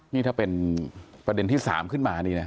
นี่ถ้าเป็นประเด็นที่๓ขึ้นมานี่นะ